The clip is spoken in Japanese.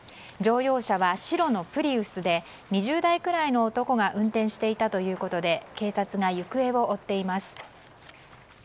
乗用車は白のプリウスで２０代くらいの男が運転していたということで警察が行方を追っています。